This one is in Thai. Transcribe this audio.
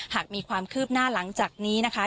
หากมีความคืบหน้าหลังจากนี้นะคะ